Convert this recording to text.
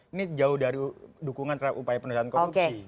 ini jauh dari dukungan terhadap upaya penindakan korupsi